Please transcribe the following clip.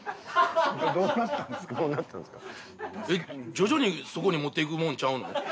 徐々にそこに持っていくもんちゃうの？